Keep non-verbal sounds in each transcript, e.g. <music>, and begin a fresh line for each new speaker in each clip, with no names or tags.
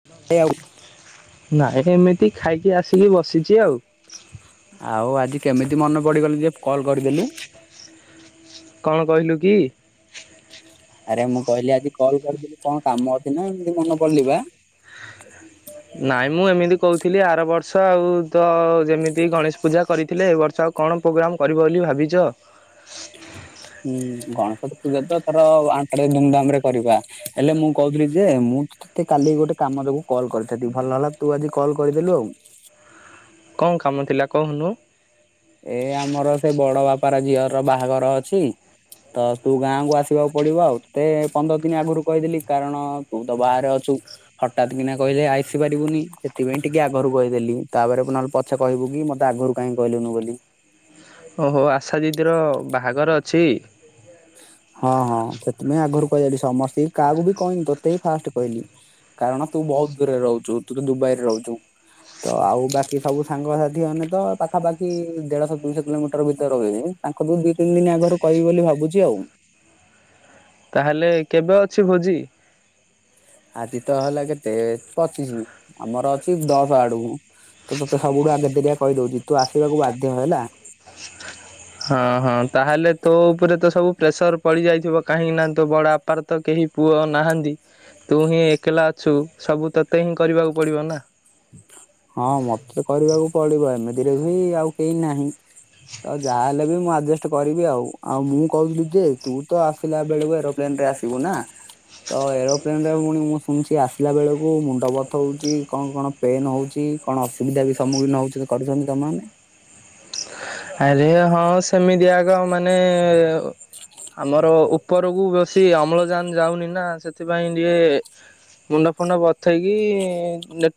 <unintelligible>
ନାଇ ସେମିତି ଆସିକି, ବସିଛି ଆଉ।
ଆଉ, ଆଜି କେମିତି ମନେ ପଡିଗଲି ଯେ କଲ କରିଦେଲୁ।
କଣ କହିଲୁ କି?
ଆରେ ମୁଁ କହିଲି ଆଜି କଲ କରିଦେି କଣ କାମ ଅଛି ନା ଏମିତି ମନେ ପଡିଲା।
ନାଇଁ ମୁଁ ଏମିତି କହୁଥିଲି ଆର ବର୍ଷ ଆଉ ତ ଯେମିତି ଗଣେଶ ପୂଜା କରିଥିଲେ ଏ ବର୍ଷ ଆଉ କଣ ପ୍ରୋଗ୍ରାମ କରିବ ବୋଲି ଭାବିଛ?
ପୂଜା ତ ତାର ଆଣ୍ଟରେ ଧୁମଧାମ ରେ କରିବା ହେଲେ ମୁଁ କହୁଥିଲି ଯେ ମୁଁ ତତେ କାଲି ଗୋଟେ କମ ଯୋଗୁଁ କଲ୍ କରିଥାନ୍ତି ଭଲ ହେଲା ତୁ ଆଜି କଲ୍ କରିଦେଲୁ ଆଉ।
କଣ କାମ ଥିଲା କହୁନୁ।
ଏ ଆମର ସେ ବଡ ବାପାର ଝିଅର ବାହାଘର ଅଛି ତ ତୁ ଗାଁକୁ ଆସ ଆସିବାକୁ ପଡିବ ଆଉ ତତେ ପନ୍ଦର ଦିନ ଆଗରୁ କହିଥିଲି କାରଣ ତୁ ତ ବାହାରେ ଅଛୁ ହଠାତ୍ କିନା କହିଲେ ଆସିପାରିବୁନି ସେଥିପାଇଁ ଟିକେ ଆଗରୁ କହିଦେଲି ତାପରେ କୁ ନହେଲେ ପଛେ କହିବୁ କି ମତେ ଆଗରୁ କାହିଁ କହିଲୁନୁ ବୋଲି।
ଓହୋ ଆଶା ଦିଦିର ବାହାଘର ଅଛି।
ହଁ ହଁ ସେଥିପାଇଁ ଆଗରୁ କହି ଦେଲି ସମସ୍ତେ କାହାକୁ ବି କହନି ତୋତେ ହି ଫାଷ୍ଟ କହିଲି କାରଣ ତୁ ବ ବହୁତ ଦୂରେ ରହୁଚୁ ତୁ ଦୁବାଇରେ ରହୁଚୁ। ତ ଆଉ ବାକି ସବୁ ସାଙ୍ଗସାଥି ମାନେ ତ ପାଖାପାଖି ଦେଢଶହ ଦୁଇଶହ କିଲୋମିଟର ଭିତରେ ରହୁଚନ୍ତି। ତାଙ୍କ ବି ଦି ତିନି ଦିନ ଆଗରୁ କହିବି ବୋଲି ଭାବୁଚି ଆଉ।
ତାହେଲେ କେବେ ଅଛି ଭୋଜି?
ଆଜି ତ ହେଲା କେତେ ପଚିଶି ଆମର ଅଛି ଦଶ ଆଡକୁ।
ହଁ ହଁ। ତାହେଲେ ତୋ ଉପରେ ତ ସବୁ ପ୍ରେସର ପଡ଼ିଯାଇଥିବ କାହିଁକି ନାହାନ୍ତି ତ ବଡ଼ ଆପାର୍ ତ କେହି ପୁଅ ନାହାଁନ୍ତି। ତୁ ହିଁ ଏକଲା ଅଛୁ ସବୁ ତୋତେ ହିଁ କରିବାକୁ ପଡିବ ନା।
ହଁ ମତେ କରିବାକୁ ପଡିବ ଏମିତିରେ ବି ଆଉ କେହି ନାହିଁ। ଆଉ ଯାହାହଲେ ବି ମୁଁ ଆଡଜଷ୍ଟ କରିବି ଆଉ ଆଉ ମୁଁ କହୁଥିଲି ଯେ ତୁ ତ ଆସିଲା ବେଳକୁ ଏରୋପ୍ଲେନ ରେ ଆସିବୁ ନା ତ ଏରୋପ୍ଲେନ ରେ ପୁଣି ମୁଁ ଶୁଣିଛି ଆସିଲା ବେଳ ବେଳକୁ ମୁଣ୍ଡ ବଥ ହଉଚି କଣ କଣ
<inaudible> ଆରେ ହଁ ସେମିତିଆଗ ମାନେ ଆମର ଉପରକୁ ବେଶୀ ଅମ୍ଳଜାନ ଯାଉନି ନା ସେଥିପାଇଁ ଟିକେ ମୁଣ୍ଡ ଫୁଣ୍ଡ ବଥେଇକି ହେଇକି ନେଟ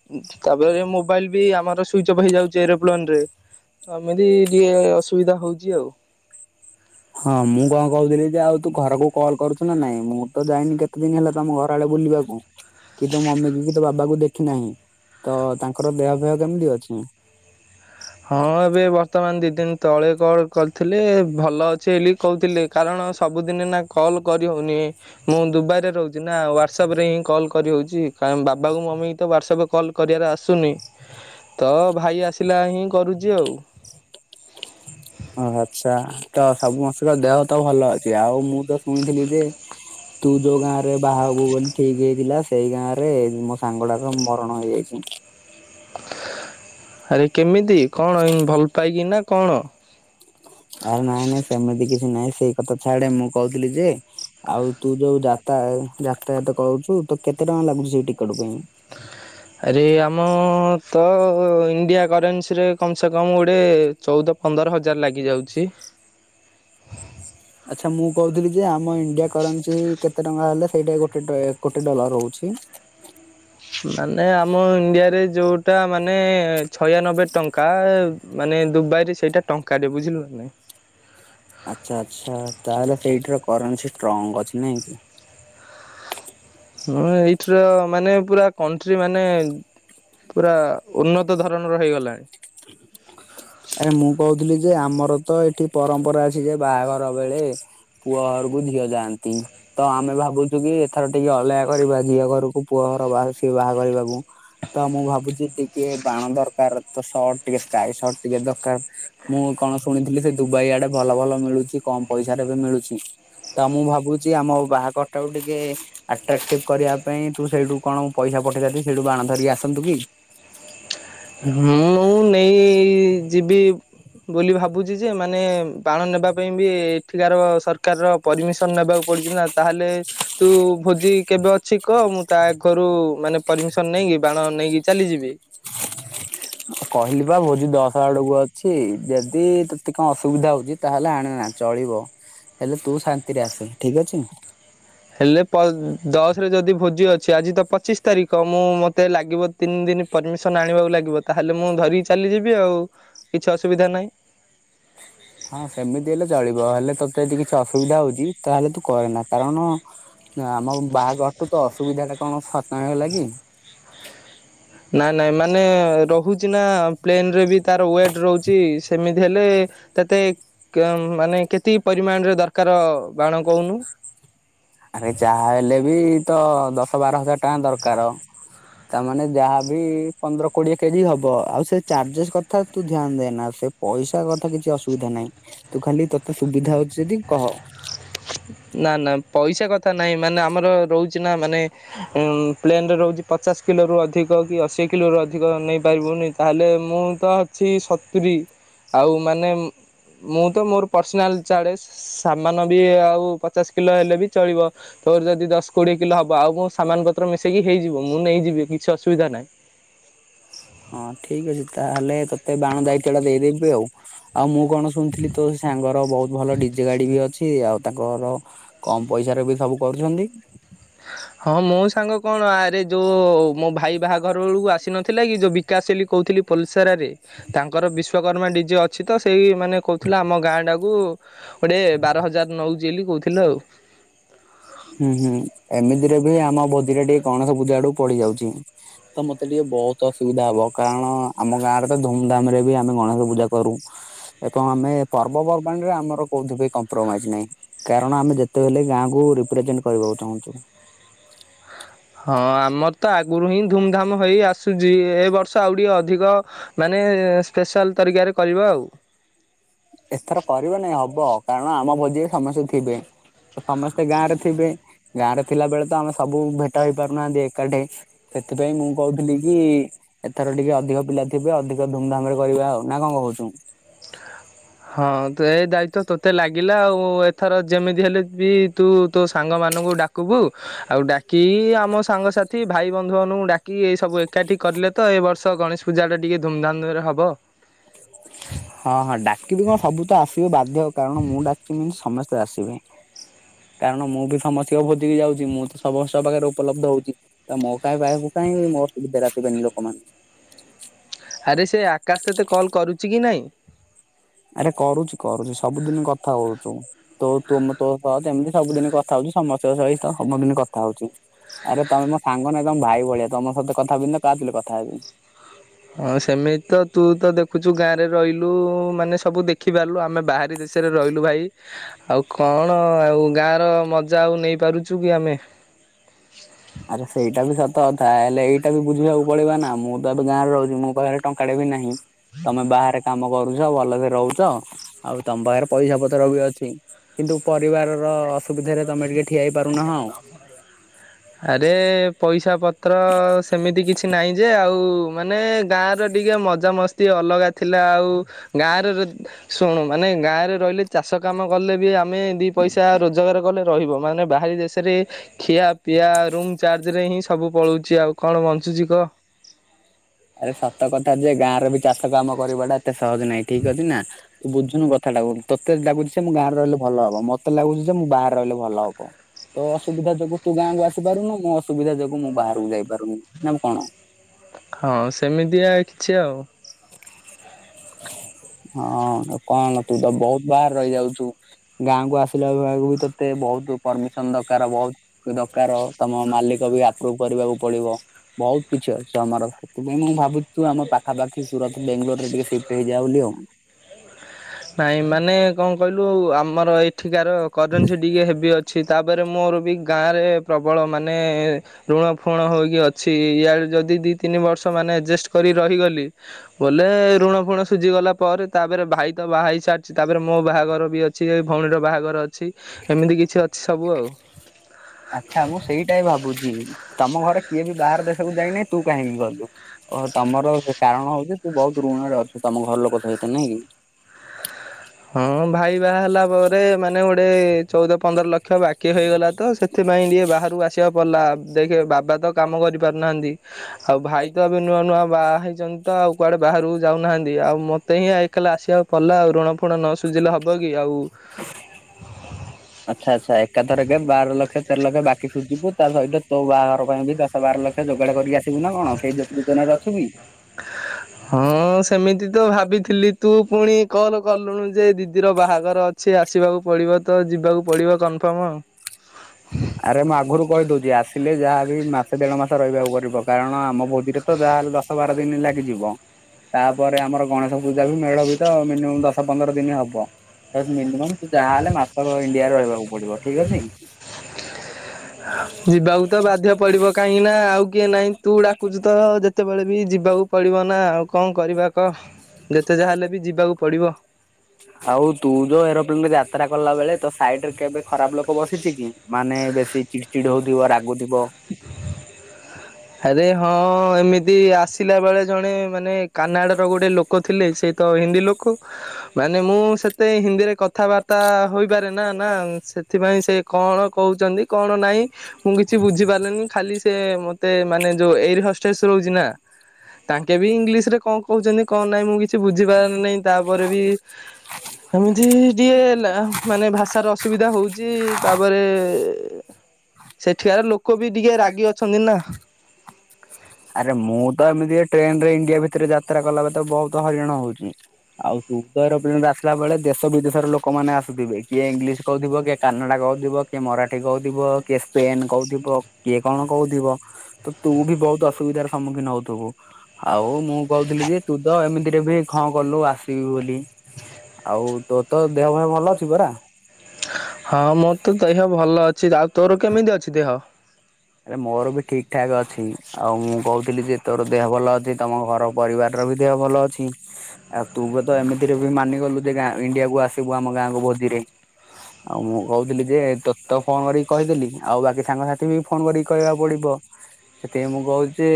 ତାପରେ ମୋବାଇଲ ବି ଆମର ସୁଇଚ ଅଫ୍ ହେଇଯାଉଛି ଏରୋପ୍ଲେନରେ। ଏମିତି ଟିକେ ଅସୁବିଧା ହଉଛି ଆଉ।
ହଁ ମୁଁ କଣ କହୁଥିଲି ଯେ ଆଉ ତୁ ଘରକୁ କଲ୍ କରୁଛୁ ନା ନାଇଁ ମୁଁ ତ ଯାଇନି କେତେ ଦିନ ହେଲା ତମ ଘର ଆ- ବୁଲିବାକୁ କି ତୋ ମମିକୁ କି ତୋ ବାବାକୁ ଦେଖ- ନାହିଁ। ତ ତାଙ୍କର ଦେହ ଫେହ କେମିତି ଅଛି?
ହଁ ଏବେ ବର୍ତ୍ତମାନ ଦି ଦିନ ତଳେ କଣ କରିଥିଲି - ଭଲ ଅଛି ହେ କହୁଥିଲି କାରଣ ସବୁଦିନ ନା କଲ୍ କରିହଉନି ମୁଁ ଦୁବାଇରେ ରହୁଛି ନା। ହ୍ଵାଟସଆପ ରେ ହିଁ କଲ କରିହଉଛି। କ ବାବା ମମି ତ ହ୍ୱାଟ୍ସଆପ ରେ କଲ୍ କରିବାରେ ଆସୁନି। ତ ଭାଇ ଆସିଲା ହିଁ।
ଓ ଆଚ୍ଛା। ତ ସବୁ ସମସ୍ତିଙ୍କର ଦେହ ତ ଭଲ ଅଛି ଆଉ ମୁଁ ତ ଶୁଣିଥିଲି ଯେ ତୁ ଯୋଉ ଗାଁ ରେ ବାହାହ - ହବୁ ବୋଲି ଠିକ ହେଇଥିଲା ସେଇ ଗାଁ ରେ ମୋ ସାଙ୍ଗଟାର ମରଣ ହେଇଯାଇଛି।
ଆରେ କେମିତି କଣ ଭଲ ପାଇକି ନା କଣ? <inaudible>
ଆରେ ନାଇଁ ନାଇଁ ସେମିତି କିଛି ନାଇଁ ସେଇ କଥା ଛାଡେ ମୁଁ କହୁଥିଲି ଯେ ଆଉ- ତୁ ଯୋଉ ଯାତା ଯାତାୟାତ କରୁଛୁ ତ କେତେ ଟଙ୍କା ଲାଗୁଛି ସେଇ ଟିକେଟ ପାଇଁ।
ଆରେ ଆମ ତ ଇଣ୍ଡିଆ କରେନ୍ସି ରେ- କମ ସେ କମ ଗୋଟେ ଚଉଦ ପନ୍ଦର ହଜାର ଲାଗି ଯାଉଛି।
ଆଚ୍ଛା ମୁଁ କହୁଥିଲି ଯେ ଆମ ଇଣ୍ଡିଆ କରେନ୍ସି କେତେ ଟଙ୍କା ହେଲେ- ସେଇଟା ଗୋଟେ ଗୋଟେ ଡଲର ହଉଛି।
ମାନେ ଆମ ଇଣ୍ଡିଆରେ। ଯୋଉଟା ମାନେ ଛୟାନବେ ଟଙ୍କା ମାନେ ଦୁବାଇରେ ସେଇଟା- ଟଙ୍କାଟେ ବୁଝିଲୁ ନା ନାହିଁ।
ଆଚ୍ଛା ଆଚ୍ଛା ତାହେଲେ ସେଇଠିର କରେନ୍ସି ଷ୍ଟ୍ରଙ୍ଗ ଅଛି ନାଇଁ।
<unintelligible> ହଁ ଏଇଠର ମାନେ ପୁରା କଣ୍ଟ୍ରି ମାନେ ପୁରା-
ଆରେ ମୁଁ କହୁଥିଲି ଯେ ଆମର ତ ଏଠି- ପରମ୍ପରା। ଯେ ବାହାଘର ବେଳେ ପୁଅ ଘରକୁ ଝିଅ ଯାଆନ୍ତି ତ ଆମେ ଭାବୁଛୁ କି- ଥର ଟିକେ ଅଲଗା କରିବା ଝିଅ ଘରକୁ ପୁଅ ଘର ବା ସିଏ ବାହା କରିବାକୁ- ତ ମୁଁ ଭାବୁଛି ଟିକେ ବାଣ ଦରକାର ତ ସର୍ଟ ଟିକେ ସ୍କାଏ ସର୍ଟ। ଟିକେ ଦରକାର। ମୁଁ କଣ ଶୁଣିଥିଲି ସେ ଦୁବାଇ ଆଡେ ଭଲ ଭଲ ମିଳୁଛି କମ ପଇସାରେ ବି ମିଳୁଛି। ତ ମୁଁ ଭାବୁଛି ଆମ ବାହାଘର ଟାକୁ ଟିକେ ଆଟ୍ରାକ୍ଟିଭ କରିବା ପାଇଁ ତୁ ସେଇଠୁ କଣ-
ହୁଁ ମୁଁ ନେଇ- କି ଯିବି। ବୋଲି ଭାବୁଛି ଯେ ମାନେ ବାଣ ନେବା ପାଇଁ ବି ଏଠିକାର ସରକାର ପରମିସନ ନେବାକୁ- ପଡୁଛି ନା ତାହେଲେ ତୁ ଭୋଜି କେବେ ଅଛି କହ ମୁଁ ତା- ରୁ ମାନେ ପରମିସନ ନେଇକି ବାଣ ନେଇକି ଚାଲିଯିବି।
କହିଲି ପା ଭୋଜି ଦଶ ଆଡକୁ ଅଛି ଯଦି- କଣ ଅସୁବିଧା ହଉଛି ତାହେଲେ ଆଣେନା ଚଳିବ ହେଲେ ତୁ ଶାନ୍ତିରେ ଆସେ ଠିକ ଅଛି।
ହେଲେ ପଲ ଦଶରେ ଯଦି ଭୋଜି ଅଛି। ଅଛି ଆଜି ତ ପଚିଶ ତାରିଖ। ମୁଁ ମୋତେ ଲାଗିବ ତିନି ଦିନ ପରମିସନ ଆଣିବାକୁ ଲାଗିବ। ତାହେଲେ ମୁଁ ଧରି ଚାଲି- ଚାଲି ଯିବି ଆଉ କିଛି ଅସୁବିଧା ନାହିଁ।
ହଁ ସେମିତି ହେଲେ ଚଳିବ ହେଲେ ତୋତେ ଯଦି କିଛି ଅସୁବିଧା ହଉଛି ତାହେଲେ ତୁ କରେନା। କାରଣ ଆମ ବାହାଘରଠୁ ତ ଅସୁବିଧାଟା କଣ କମ ହେଲାକି।
ନାଇଁ ନାଇଁ ମାନେ ରହୁଛି ନାପ୍ଲେନ ରେ ବି ତାର ୱେଟ ରହୁଛି ସେମିତି ହେଲେ- ତତେ କେମ ମାନେ କେତେ ପରିମାଣରେ ଦରକାର ବାଣ କହୁନୁ?
ଆରେ ଜାହା ହେଲେ ବି ତ ବାର ହଜାର ଟଙ୍କା ଦରକାର ତାମାନେ ଯାହାବି ପନ୍ଦର କୋଡିଏ କେଜି ହବ ଆଉ ସେ ଚାର୍ଜେସ୍ କଥା ତୁ ଧ୍ୟାନ ଦେନା ସେ ପଇସା କଥା କିଛି ଅସୁବିଧା ନାହିଁ ତୁ ଖାଲି ତୋତେ ସୁବିଧା ହଉଚି ଯଦି କହ।
ନା ନା ପଇସା କଥା ନାହିଁ ମାନେ ଆମର ରହୁ ଚିନା ମାନେ ଉଁ ପ୍ଲେନରେ ରହୁଚି ପଚାଶ କିଲରୁ ଅଧିକ କି ଅଶୀ କିଲରୁ ଅଧିକ ନେଇପାରିବୁ। ତାହେଲେ ମୁଁ ତ ଅଛି ସତୁୁରୀ ଆଉ ମାନେ ମୁଁ ତ ମୋର ପର୍ସନାଲ ଚାଡେ ସାମାନ ଆଉ ପଚାଶ କିଲୋ ହେଲେ ବି ଚଳିବ ତୋର ଯଦି ଦଶ କୋଡିଏ କିଲ ହବ ଆଉ କଣ ସମାନ ପତ୍ର ମିସି ସେକି ହେଇଯିବ ମୁଁ ନେଇଯିବି କିଛି ଅସୁବିଧା ନାହିଁ।
ହଁ ଠିକ ଅଛି ତାହେଲେ ତୋତେ ବାଣ ଦାୟିତ୍ବ ଟା ଦେଇଦେବି ଆଉ ଆଉ ମୁଁ ମୁଁ କଣ ଶୁଣିଥିଲି ତୋ ସାଙ୍ଗର ବହୁତ ଭଲ ଡିଜେ ଗାଡି ବି ଅଛି ଆଉ ତାଙ୍କର କମ ପଇସା ରେ ବି ସବୁ କରୁଛନ୍ତି
ହଁ ମୋ ସାଙ୍ଗ କଣ ଆରେ ଯୋଉ ମୋ ଭାଇ ବାହାଘର ବେଳକୁ ଆସିନ ଥିଲା କି ଯୋଉ ବିକାଶିଲି କହୁଥିଲ ପସରାରେ ତାଙ୍କର ବିଶ୍ୱକର୍ମା ଡିଜେ ଅଛି ତ ସେଇ ମାନେ କହୁଥିଲେ ଲା ଆମ ଗାଁ ଟାକୁ ଗୋଟେ ବାର ହଜାର ନଉଚି ବୋଲି କହୁଥିଲା ଆଉ।
ହୁଁ ହୁଁ। ଏମିତିରେ ବି ଆମ ଭୋଜିରେ ଟିକେ ଗଣେଶ ପୂଜା ଆଡକୁ ପଡିଯାଉଛି ତ ମତେ ଟିକେ ବହୁତ ଅସୁବିଧା ହବ। କାରଣ ଆମ ଗାଁ ରେ ତ ଧୁମଧାମ ରେ ବି ଆମେ ଗଣେଶ ପୂଜା କରୁ। ଏବଂ ଆମେ ପର୍ବ ପର୍ବାଣୀରେ ଆମର କୋଉଠି ବି କମ୍ପ୍ରମାଇଜ ନାହିଁ କାରଣ ଆମେ ଯେତେବେଳେ ଗାଁକୁ- ରିପ୍ରେଜେଣ୍ଟ କରିବାକୁ ଚାହୁଁଛୁ।
ହଁ। ମୋତ ଆଗରୁ ହିଁ ଧୁମଧାମ ହେଇ ଆସୁଛି ଏ ବର୍ଷ ଆଉ ଟିକେ ଅଧିକ ମାନେ ଫେସ- ସାଲ ତରିକାରେ କରିବା ଆଉ।
ଏଥର କରିବ ନାଇଁ ହବ କାରଣ ଆମ ଭୋଜିରେ ସମସ୍ତେ ଥିବେ। ସମସ୍ତେ ଗାଁରେ ଥିବେ। ଗାଁ ରେ ଥିଲାବେଳେ ତ ଆମେସବୁ ଭେଟ ହେଇପାରୁନାହାନ୍ତି ଏକାଠି ସେଥିପାଇଁ ମୁଁ କହୁଥିଲି କି ଏଥର ଟିକେ ଅଧିକ ପିଲା ଥିବେ ଅଧିକ ଧୁମ୍ ଧାମରେ କରିବା ଆଉ ନା କଣ କହୁଛୁ।
<unintelligible> ହଁ ତ ଏଇ ଦାୟିତ୍ଵ ତୋତେ ଲାଗିଲା ଆଉ ଏଥର ଯେମିତି ହେଲେ ବି ତୁ ତୁ ସାଙ୍ଗ ମାନଙ୍କୁ ଡାକବୁ ଆଉ ଡାକି ଆମ ସାଙ୍ଗସାଥି ଭାଇ ବନ୍ଧୁମାନଙ୍କୁ ଡାକି ଏଇ ସବୁ ଏକାଠି କଲେତ ଏ ବର୍ଷ ଗଣେଶ ପୂଜା ଟା ଟିକେ ଧୁମ୍ ଧାମ ରେ ହବ।
କଣ ସବୁ ତ ଆସିବେ ବାଧ୍ୟ କାରଣ ମୁଁ ଡାକିଚି ମାନେ ସମସ୍ତେ ଆସିବେ। କାରଣ ମୁଁ ବି ସମସ୍ତିଙ୍କ ବୁଝିକି ଯାଉଛି। ମୁଁ ବି ସମସ୍ତ୍ ଙ୍କ ପାଖରେ ଉପଲବ୍ଧ ରହୁଛି। ମୁଁ କାଇଁ <unintelligible> କାଇଁ ମୋ ସୁବିଧାରେ ଆସିବେନି ଲୋକମାନେ
ଆରେ ସେ ଆକାଶ ତୋତେ କଲ୍ କରୁ
ଆରେ କରୁଛି କରୁଛି ସବୁଦିନ କଥା ହୋଉ। ତୋ ତୁମ୍ ତୋ ସହ ଯେମତି ସବୁଦିନ କଥା ହଉଚୁ ସମସ୍ତଙ୍କ ସହିତ ସବୁ ଦିନ କଥା ହଉଛି। ଆରେ ତମେ ମୋ ସାଙ୍ଗ ନା ତମେ ଭାଇ ଭଳିଆ ତମ ସହିତ କଥାହେବିନି ତ କାହା ସହିତ କଥା ହେବି।
ହଁ ସେମିତି ତ ତୁ ତ ଦେଖୁଛୁ ଗାଁରେ ରହିଲୁ ମାନେ ସବୁ ଦେଖି ପାରିଲୁ ଆମେ ବାହାରି ଦେ ସେରେ ରହିଲୁ ଭାଇ। ଆଉ କଣ ଆଉ ଗାଁର ମଜା ଆଉ ନେଇ ପାରୁଛୁ କି ଆମେ
ଆରେ ସେଇଟା ବି ସତ କଥା, ହେଲେ ଏଇଟା ବି ବୁଝିବାକୁ ପଡିବ ନା ମୁଁ ତ ଏବେ ଗାଁରେ ରହୁଛି। ମୋ ପାଖରେ ଟଙ୍କାଟେ ବି ନାହିଁ। ତମେ ବାହାରେ କାମ କରୁଛ, ଭଲ ରେ ରହୁଛ ଆଉ ତମ ପାଖରେ ପଇସା ପତର ବି ଅଛି।
<unintelligible> ଆ ଦେ ପଇସା ପ ତ୍ର ସେମିତି କିଛି ନାହିଁ ଯେ, ଆଉ ମାନେ ଗାଁର ଟିକେ ମଜାମସ୍ତି ଅଲଗା ଥିଲା। ଆଉ ଗାଁରେ, ଶୁଣୁ ମାନେ ଗାଁରେ ରହିଲେ ଚାଷ କାମ କଲେ ବି ଆମେ ଦି ପଇସା ରୋଜଗାର କଲେ ରହିବ, ମାନେ ବାହାରି ଦେଶରେ ଖିଆ ପିଆ ରୁମ୍ ଚାର୍ଜରେ ହିଁ ସବୁ ପଳଉଛି। ଆଉ କଣ ବଞ୍ଚୁଛି କହ?
ଆରେ ସତ କଥା ଯେ, ଗାଁରେ ବି ଚାଷ କାମ କରିବାଟା ଏତେ ସହଜ ନାହିଁ। ଠିକ ଅଛି ନା ତୁ ବୁଝୁନୁ କଥାଟାକୁ ତତେ ଲାଗୁଛି ଯେ, ମୁଁ ଗାଁ ରେ ରହିଲେ ଭଲ ହବ। ମ ମତେ ଲାଗୁଛି ଯେ, ମୁଁ ବାହାରେ ରହିଲେ ଭଲ ହବ। ତୋ ଅସୁବିଧା ଯୋଗୁ ତୁ ଗାଁକୁ ଆସିପାରୁନି, ମୋ ଅସୁବିଧା ଯୋଗୁ ମୁଁ ବାହାରକୁ ଯାଇପାରୁନି ନା କଣ?
ହଁ ସେମିତିଆ କିଛି ଆଉ।
ହଁ, ତ କଣ ତୁ ତ ବହୁତ୍ ବାହାରେ ରହିଯାଉଛୁ। ଗାଁକୁ ଆସିଲା ବେଳକୁ ତତେ ବହୁତ ପରମିସନ ଦରକାର, ବହୁତ ଦରକାର ତମ ମାଲିକ୍ <unintelligible> ଆପ୍ରୁଭ୍ କରିବାକୁ ପଡିବ। ବହୁତ କିଛି ଅଛି ଆମର ସେଥିପାଇଁ ମୁଁ, ଭାବୁଛି ଆମ ପାଖାପାଖି
ନାଇଁ ମାନେ କଁ କହିଲୁ ଆମର ଏଠିକାର କରେନ୍ସି ଟିକେ ହେବି ଅ ଅଛି ତା ପରେ ମୋର ବି ଗାଁରେ ପ୍ରବଳ ମାନେ ଋଣ ଫୁଣ ହୋଇକି ଅଛି ଇଆ ଯଦି ଦି ତିନି ବର୍ଷ ମାନେ ଆଜେଷ୍ଟ୍ କରି ରହିଗଲି ବୋଲେ ଋଣ ଫୁଣ ସୁଝିଗଲା ପରେ, ତାପରେ ଭାଇ ତ ବାହା ହେଇ ସାରଛି। ତାପରେ ମୋ ବାହାଘର ବି ଅଛି ଏ ଭ ଭଉଣିର ବାହାଘର ଅଛି। ହେମିତି କିଛି ଅଛି ସବୁ ଆଉ।
ଆଛା ମୁଁ ସେଇଟା ଭାବୁଚି ତମ ଘରେ କିଏ ବି ବାହାର ଦେଶକୁ ଯାଇନି ତୁ କାହିଁକି ଗଲୁ? ତମର ସେ କାରଣ ହୋଉଚି, ତୁ ବୋଉ କ୍କହୁତ ଋଣରେ ଅଛୁ। ତମ ଘର ଲୋକ <unintelligible> ନାଇଁ କି?
ହଁ ଭାଇ ବାହା ହେଲା ପରେ ମାନେ ଗୋଟେ ଚଉଦ ପନ୍ଦର ଲକ୍ଷ ବାକି ହେଇଗଲା ତ ସେ ସେଥିପାଇଁ ଟିକେ ବାହାରକୁ ଆସିବାକୁ ପଡ଼ିଲା ଦେଖେ, ବାବା ତ କାମ କରି ପାରୁନାହାନ୍ତି ଆଉ ଭାଇ ତ ଏବେ ନୁ ନୂଆ ନୂଆ ବାହା ହେଇଚନ୍ତି ତ ଆଉ କୁଆଡ଼େ ବାହାରାରୁକୁ ଯାଉନାହାନ୍ତି ଆଉ ମୋତେ ହିଁ ଏକଲା ଆସିବାକୁ ପଡ଼ିଲା ଆଉ ଋଣ ଣ ନ ସୁୁଝିଲେ ହେବ କି ଆଉ
ଆଚ୍ଛା ଆଛା ଏକାଥର କେ ବାର ଲକ୍ଷ ତେର ଲକ୍ଷ ବାକି ସୁଝିବୁ। ତା ସହିତ ତୋ ବାହାଘର ପାଇଁ ବି ଦଶ ବାର ଲକ୍ଷ ଯୋଗାଡ କରିକି ଆସିବୁ ନା କଣ ସେଇ ଯୋଜନା
ହଁ ମୁଁ ସେମିତି ତ ଭାବିଥିଲି ତୁ ପୁଣି କଲ- ଗଲୁନୁ ଯେ ଦିଦିର ବାହାଘର ଅଛି ଆସିବାକୁ ପଡିବ ତ ଯିବାକୁ ପଡିବ କନଫର୍ମ ଆଉ। <unintelligible>
ଆରେ ମୁଁ ଆଗରୁ କହିଦଉଛି ଆସିଲେ ଯାହାବି ମାସେ ଦେଢ ମାସ ରହିବାକୁ ପଡିବ କାରଣ ଆମ ଭୋଜିିରେ ତ- ତାହେଲେ ଦଶ ବାର ଦିନ ଲାଗିଯିବ ତାପରେ ଆମର ଗଣେଶ ପୂଜା ବି ମେଢ ବି ତ- ଦଶ ପନ୍ଦର ଦିନ ହବ। ମିନିମମ୍ ଯାହାହଲେ ମାସ ଇଣ୍ଡିଆରେ ରହିବାକୁ ପଡିବ ଠିକ ଅଛି।
<unintelligible> ଯିବାକୁ ତ ବାଧ୍ୟ ପଡିବ କାହିଁକି ନା ଆଉ କିଏ ନାହିଁ ତୁ ଡାକୁଛୁ ତ ଯେତେବେଳେ ବି ଯିବା- ଯିବାକୁ ପଡିବ ନା ଆଉ କଣ କରିବା କହ। ଯେତେ ଯାହା ହେଲେ ବି ଯିବାକୁ- <inaudible>
ଆଉ ତୁ ଯୋଉ ଏରୋପ୍ଲେନରେ ଯାତ୍ରା କଲା ବେଳେ ତୋ ସାଇଡ ରେ କେବେ ଖରାପ ଲୋକ ବସିଛି କି? ମାନେ ବେଶୀ ଚିଡ ଚିଡ ହଉଥିବ ରାଗୁଥିବ।
<unintelligible> ଆରେ ହଁ ଏମିତି ଆସିଲା ବେଳେ ଜଣେ ମାନେ କାନାଡାର ଗୋଟେ ଲୋକ ଥିଲେ ସେ ତ- ହିନ୍ଦୀ ଲୋକ। ମାନେ ମୁଁ ସେତେ ହିନ୍ଦୀରେ କଥାବାର୍ତ୍ତା ହୋଇପାରେ ନା ନା ସେଥିପାଇଁ ସେ- କଣ କହୁ- କଣ ନାଇଁ ମୁଁ କିଛି ବୁଝି ପାରିଲିନି ଖାଲି ସେ ମୋତେ ମାନେ ଯୋଉ ଏଆର ହଷ୍ଟେସ ରହୁଛି ନା -
<inaudible>
ତାଙ୍କେ ବି ଇଂଲିଶରେ କଣ କହୁଛନ୍ତି କଣ ନାହିଁ ମୁଁ କିଛି ବୁଝିପାରନି ନାହିଁ ତାପରେ ବି- ଏମିତି ଟିକେ ମାନେ ଭାଷାର ଅସୁବିଧା ହଉଛି ତାପରେ ସେଠିକାର ଲୋକ ବି ଟିକେ ରାଗି ଅଛନ୍ତି ନା।
ଆରେ ମୁଁ ତ ଏମିତି ଏ ଟ୍ରେନ ରେ ଇଣ୍ଡିଆ ଭିତରେ ଜା ଯାତ୍ରା କଲାବେଳେ ତ ବହୁତ ହରିରାଣ ହଉଚି ଆଉ ତୁ ତ ଏରୋପ୍ଲେନରେ ଆସିଲା ବେ ଦେଶ ବିଦେଶର ଲୋକମାନେ ଆସୁଥିବ କିଏ ଇଂଲିଶ କହୁଥିବ କିଏ କାନାଡ଼ା କହୁଥିବ। କିଏ ମରାଠୀ କହୁଥିବ କିଏ ସ୍ପେନ୍ କହୁଥିବ କିଏ କଣ କହୁଥିବ ତ ତୁ ବି ବହୁତ ଅସୁବିଧାର ସମ୍ମୁଖୀନ ହଉଥିବୁ। ଆଉ ମୁଁ କହୁଥିଲି ଯେ ତୁ ତ ଏମିତିରେ ବି ହଁ କଲୁ ଆସି ବୁ ବୋଲି ଆଉ ତୋ ତ ଦେହ ପା ଭଲ ଅଛି ପରା?
ହଁ ମୋର ତ ଦେହ ଭଲ ଅଛି ଆଉ ତୋର କେମିତି ଅଛି ଦେହ?
ଆରେ ମୋର ବି ଠିକ ଠାକ ଅଛି ଆଉ ମୁଁ କହୁଥିଲି ଯେ ତୋର ଦେହ ଭଲ ଅଛି। ତମ ଘର ପରିବାର ର ବି ଦେହ ଭଲ ଅଛି ଆଉ ତୁ ବି ତ ଏମିତିରେ ବି ମାନି ଗଲୁ ଯେ ଗାଁ ଇଣ୍ଡିଆକୁ ଆସିବୁ ଆମ ଗାଁକୁ ଭୋଜିରେ ଆଉ ମୁଁ କହୁଥିଲି ଯେ ତୋତ ଫୋନ କରିକି କହିଦେଲି ଆଉ ବାକି ସାଙ୍ଗସାଥି ବି ନ କରିକି କହିବାକୁ ପଡିବ। ସେଥିପାଇଁ ମୁଁ କହୁଚି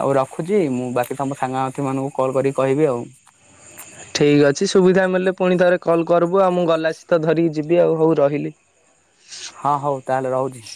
ଆଉ ରଖୁଚି ମୁଁ ବାକି ତମ ସାଙ୍ଗସଥି ମାନଙ୍କୁ କଲ କରିକି କହିବି ଆଉ।
ଠିକ୍ ଅ କିଛି ସୁବିଧା ମଲେ ପୁଣି ଥରେ କଲ୍ କରିବୁ ଆଉ ମୁଁ ଗଲା ଅସିକି ଧରିକି ଯିବି ଆଉ ହଉ ରହିଲି।
ହଁ ହଉ ତାହେଲେ ରହୁଚି।